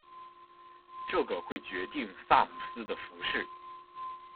这个会决定萨姆斯的服饰。